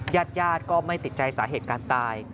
ญาติญาติก็ไม่ติดใจสาเหตุการตาย